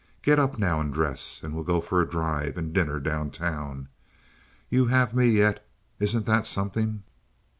Get up now and dress, and we'll go for a drive and dinner down town. You have me yet. Isn't that something?"